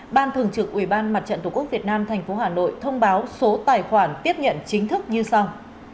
ban thường trực ủy ban mặt trận tổ quốc việt nam tp hà nội thông báo số tài khoản tiếp nhận chính thức như sau